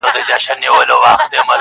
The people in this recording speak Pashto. تر تا څو چنده ستا د زني عالمگير ښه دی.